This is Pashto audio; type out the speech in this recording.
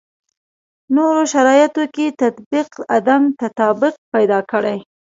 نورو شرایطو کې تطبیق عدم تطابق پیدا کړي.